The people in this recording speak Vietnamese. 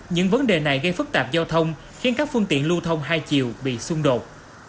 những vấn đề này gây phức tạp giao thông khiến các phương tiện lưu thông hai chiều bị xung đột